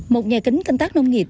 một nhà kính canh tác nông nghiệp